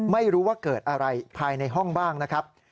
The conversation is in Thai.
ไม่รู้ว่าเกิดอะไรภายในห้องบ้างนะครับ